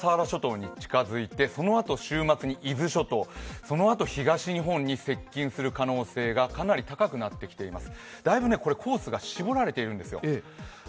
明日、小笠原諸島に近づいて、そのあと週末に伊豆諸島、そのあと東日本に接近する可能性がかなり高くなってきています。